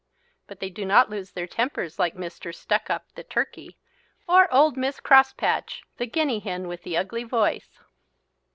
But they do not lose their tempers like "Mr. Stuckup," the turkey, or old "Miss Crosspatch," the guinea hen with the ugly voice.